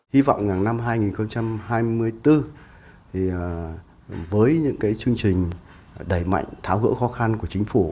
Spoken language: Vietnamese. hi vọng năm hai nghìn hai mươi bốn với những chương trình đẩy mạnh tháo gỡ khó khăn của chính phủ